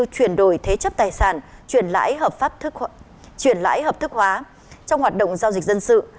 chuyển đổi thế chấp tài sản chuyển lãi hợp thức hóa trong hoạt động giao dịch dân sự